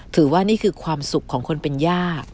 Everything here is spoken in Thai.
ถือว่านี่คือความสุขของคนเป็นย่า